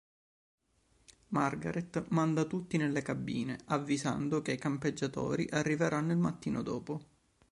Margaret manda tutti nelle cabine, avvisando che i campeggiatori arriveranno il mattino dopo.